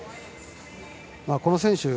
この選手